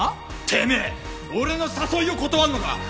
てめえ俺の誘いを断るのか！？